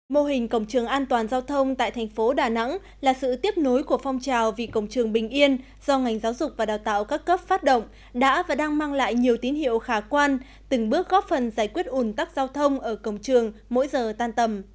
mô hình cổng trường an toàn giao thông tại thành phố đà nẵng là sự tiếp nối của phong trào vì cổng trường bình yên do ngành giáo dục và đào tạo các cấp phát động đã và đang mang lại nhiều tín hiệu khả quan từng bước góp phần giải quyết ủn tắc giao thông ở cổng trường mỗi giờ tan tầm